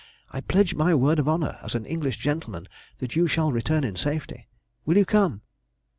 I pledge my word of honour as an English gentleman that you shall return in safety. Will you come?"